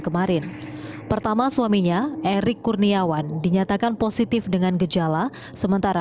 kemarin pertama suaminya erick kurniawan dinyatakan positif dengan gejala sementara